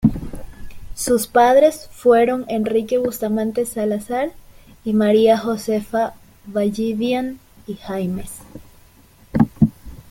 Sus padres fueron Enrique Bustamante Salazar y María Josefa Ballivián y Jaimes.